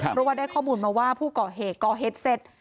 เพราะว่าได้ข้อมูลมาว่าผู้ก่อเหตุก่อเหตุเสร็จ